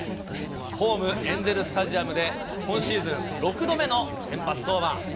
ホーム、エンゼルスタジアムで今シーズン、６度目の先発登板。